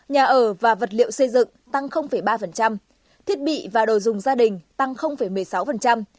nhà ở và vật liệu xây dựng tăng ba thiết bị và đồ dùng gia đình